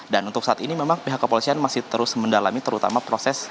dan untuk saat ini memang pihak kepolisian masih terus mendalami terutama proses